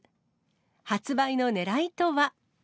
発売のねらいとは。